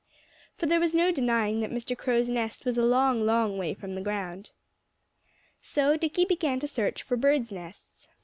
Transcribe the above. For there was no denying that Mr. Crow's nest was a long, long way from the ground. So Dickie began to search for birds' nests.